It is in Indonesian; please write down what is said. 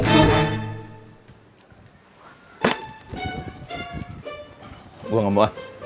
gue gak mau